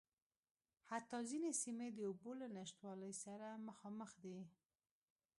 حتٰی ځينې سیمې د اوبو له نشتوالي سره مخامخ دي.